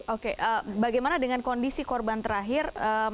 oke bagaimana dengan kondisi korban terakhir